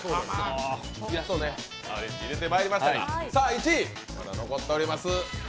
１位、まだ残してあります。